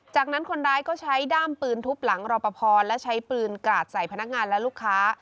จากนั้นคนร้ายก็ใช้ด้ามปืนทุบหลังรอปภและใช้ปืนกราดใส่พนักงานและลูกค้า